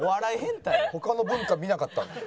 他の文化見なかったので。